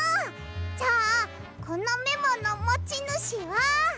じゃあこのメモのもちぬしは。